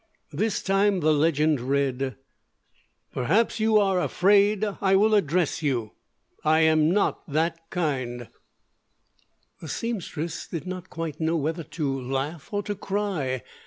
This time the legend read: Perhaps you are afrade i will adress you i am not that kind The seamstress did not quite know whether to laugh or to cry.